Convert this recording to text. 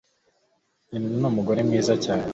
Nyina numugore mwiza cyane.